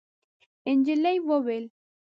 نجلۍ وویل: